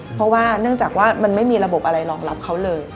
เพราะว่าเนื่องจากว่ามันไม่มีระบบอะไรรองรับเขาเลย